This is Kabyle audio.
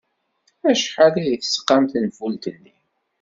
Acḥal ay d-tesqam tenfult-nni?